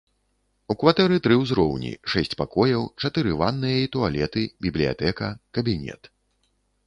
У кватэры тры ўзроўні, шэсць пакояў, чатыры ванныя і туалеты, бібліятэка, кабінет.